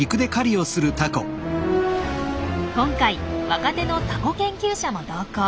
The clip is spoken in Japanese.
今回若手のタコ研究者も同行。